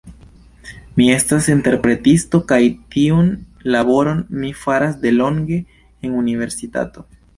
Mi estas interpretisto kaj tiun laboron mi faras delonge en universitato.